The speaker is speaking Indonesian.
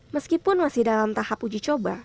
meskipun masih dalam tahap uji coba